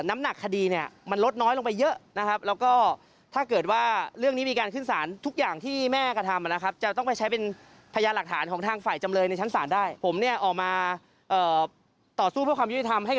ไม่ได้มาในฐานะธนายความหรืออะไร